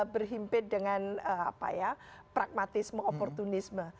berhimpit dengan pragmatisme oportunisme